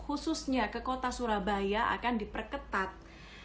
khususnya ke kota surabaya akan diperlukan untuk berjalan ke jawa timur